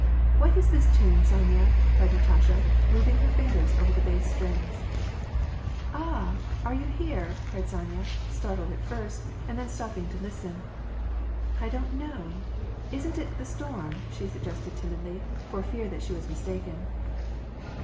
" What is this tune, Sonya ?" cried Natasha, moving her fingers over the bass strings. " Ah ! Are you here ?" cried Sonya, startled at first, and then stopping to listen. "I don't know. Isn't it ' The Storm '?" she suggested timidly, for fear that she was mistaken.